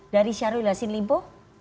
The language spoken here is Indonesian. dari syarwila sinlimpo